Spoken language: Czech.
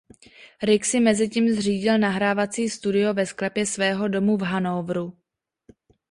Rick si mezitím zřídil nahrávací studio ve sklepě svého domu v Hannoveru.